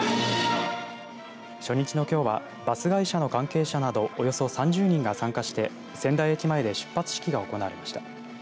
初日のきょうはバス会社の関係者などおよそ３０人が参加して仙台駅前で出発式が行われました。